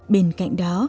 bên cạnh đó